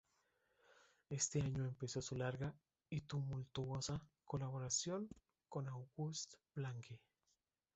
Ese año empezó su larga y tumultuosa "colaboración" con Auguste Blanqui.